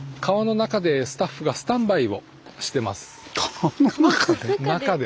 川の中で？